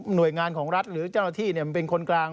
หน่วยงานของรัฐหรือเจ้าหน้าที่มันเป็นคนกลาง